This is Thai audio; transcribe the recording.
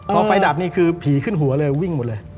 พอไฟดับนี่คือผีขึ้นหัวเลยวิ่งหมดเลย